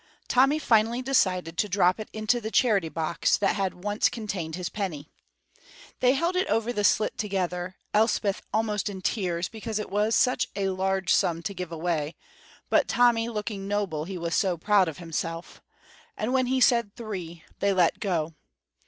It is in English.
Tommy finally decided to drop it into the charity box that had once contained his penny. They held it over the slit together, Elspeth almost in tears because it was such a large sum to give away, but Tommy looking noble he was so proud of himself; and when he said "Three!" they let go.